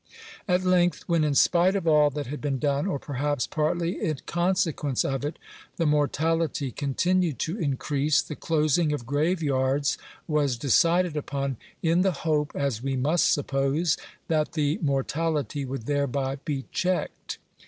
At length, when, in spite of all that had been done (or, perhaps, partly in consequence of it), the mortality continued to increase, the closing of graveyards was decided upon, in the hope, as we must suppose, that the mortality would thereby be checked.